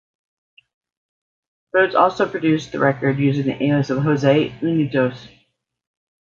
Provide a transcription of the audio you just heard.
Rhodes also produced the record, using the alias of "Jose Unidos".